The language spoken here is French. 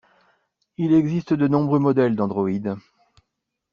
Il existe de nombreux modèles d'androïdes.